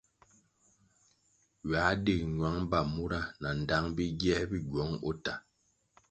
Ywā dig ñwang ba mura nandtang bingier bi gywong o tah.